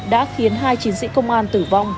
đã khiến hai chiến sĩ công an tử vong